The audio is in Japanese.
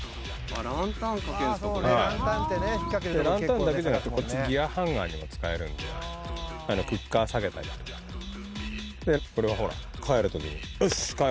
ランタンかけるんですか、ランタンだけじゃなくて、こっち、ギアハンガーにも使えるんで、クッカーさげたりとか。